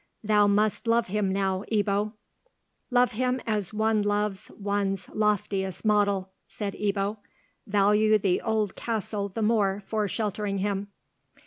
Thou must love him now, Ebbo." "Love him as one loves one's loftiest model," said Ebbo—"value the old castle the more for sheltering him."